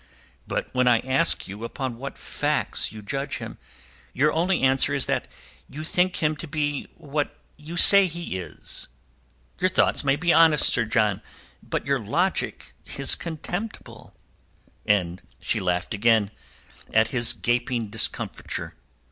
But when I ask you upon what facts you judge him, your only answer is that you think him to be what you say he is. Your thoughts may be honest, Sir John, but your logic is contemptible." And she laughed again at his gaping discomfiture.